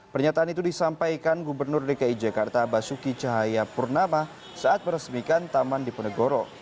pernyataan itu disampaikan gubernur dki jakarta basuki cahayapurnama saat meresmikan taman diponegoro